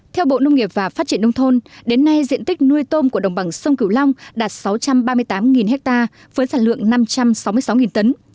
theo bộ nông nghiệp và phát triển nông thôn đến nay diện tích nuôi tôm của đồng bằng sông cửu long đạt sáu trăm ba mươi tám ha với sản lượng năm trăm sáu mươi sáu tấn